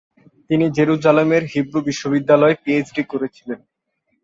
তিনি জেরুজালেমের হিব্রু বিশ্ববিদ্যালয়ে পিএইচডি করেছিলেন।